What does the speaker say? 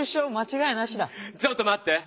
ちょっとまって！